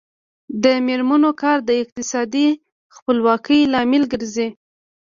د میرمنو کار د اقتصادي خپلواکۍ لامل ګرځي.